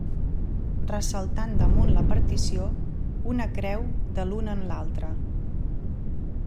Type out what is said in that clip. Ressaltant damunt la partició, una creu de l'un en l'altre.